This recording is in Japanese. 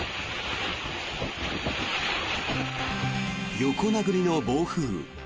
横殴りの暴風雨。